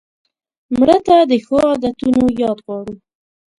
مړه ته د ښو عادتونو یاد غواړو